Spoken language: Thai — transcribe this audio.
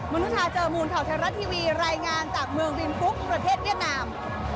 นุชาเจอมูลข่าวไทยรัฐทีวีรายงานจากเมืองริมฟุกประเทศเวียดนาม